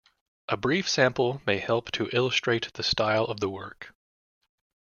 A brief sample may help to illustrate the style of the work.